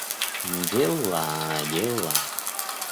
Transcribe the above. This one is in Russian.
Дела, дела!